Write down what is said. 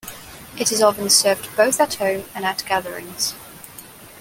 It is often served both at home and at gatherings.